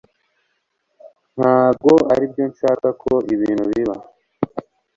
ntabwo aribyo nshaka ko ibintu biba